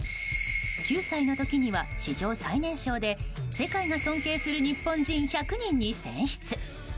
９歳の時には史上最年少で世界が尊敬する日本人１００人に選出。